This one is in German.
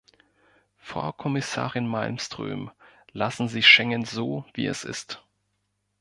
Frau Kommissarin Malmström, lassen Sie Schengen so, wie es ist.